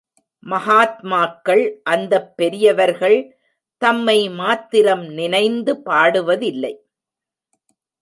மகாத்மாக்கள் அந்தப் பெரியவர்கள் தம்மை மாத்திரம் நினைந்து பாடுவதில்லை.